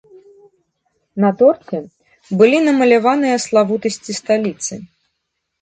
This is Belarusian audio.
На торце былі намаляваныя славутасці сталіцы.